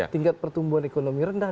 tingkat pertumbuhan ekonomi rendah